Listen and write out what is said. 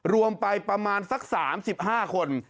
รวมไปประมาณสัก๓๕คน